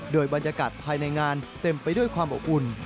โดยบรรยากาศภายในงานเต็มไปด้วยความอบอุ่น